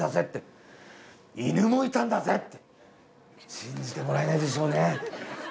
信じてもらえないでしょうね。